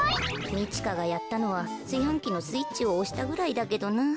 みちかがやったのはすいはんきのスイッチをおしたぐらいだけどな。